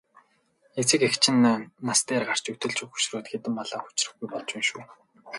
Эцэг эх чинь нас дээр гарч өтөлж хөгшрөөд хэдэн малаа хүчрэхгүй болж шүү.